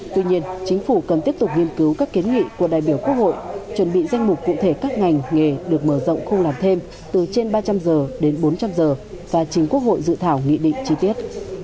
tuy nhiên chính phủ cần tiếp tục nghiên cứu các kiến nghị của đại biểu quốc hội chuẩn bị danh mục cụ thể các ngành nghề được mở rộng không làm thêm từ trên ba trăm linh giờ đến bốn trăm linh giờ và chính quốc hội dự thảo nghị định chi tiết